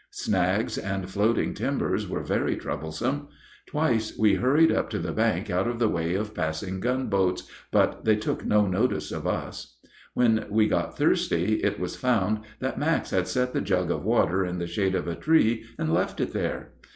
Snags and floating timbers were very troublesome. Twice we hurried up to the bank out of the way of passing gunboats, but they took no notice of us. When we got thirsty, it was found that Max had set the jug of water in the shade of a tree and left it there.